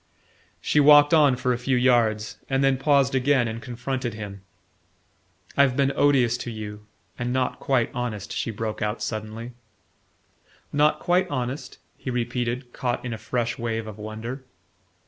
She walked on for a few yards, and then paused again and confronted him. "I've been odious to you and not quite honest," she broke out suddenly. "Not quite honest?" he repeated, caught in a fresh wave of wonder.